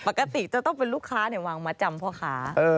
ปกติจะต้องเป็นลูกค้าวางมาจำพ่อค้า